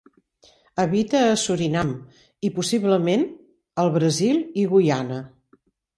Habita a Surinam i, possiblement, al Brasil i Guyana.